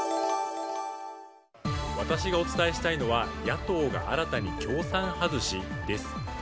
私がお伝えしたいのは野党が新たに共産外しです。